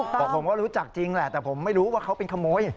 บอกผมก็รู้จักจริงแหละแต่ผมไม่รู้ว่าเขาเป็นขโมย